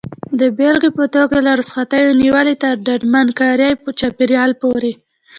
د بېلګې په توګه له رخصتیو نیولې تر ډاډمن کاري چاپېریال پورې.